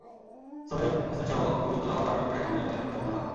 সৈয়দ হোসেনসহ গুরুতর আহত আটজনকে ঢাকা মেডিকেল কলেজ হাসপাতালে নেওয়া হয়।